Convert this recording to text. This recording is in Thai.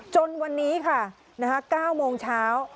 จนวันนี้ค่ะ๙โมงเช้า